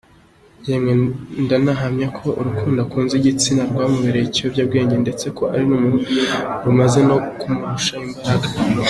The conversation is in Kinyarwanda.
Yemwe ndanahamya ko urukundo akunze igitsina rwamubereye ikiyobyabwenge ndetse ko rumaze no kumurusha imbaraga.